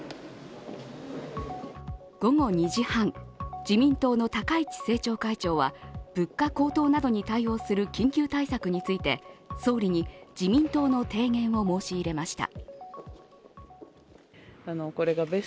午後２時半、自民党の高市政調会長は物価高騰などに対応する緊急対策について総理に自民党の提言を申し入れました。